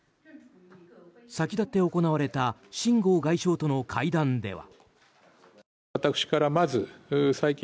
先立って行われた秦剛外相との会談では。